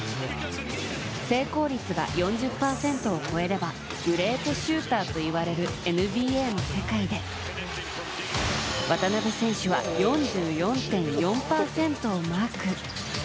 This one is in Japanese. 成功率が４０％を超えればグレートシューターといわれるＮＢＡの世界で渡邊選手は４４．４％をマーク。